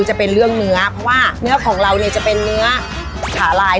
จะเป็นเรื่องเนื้อเพราะว่าเนื้อของเราเนี่ยจะเป็นเนื้อขาลาย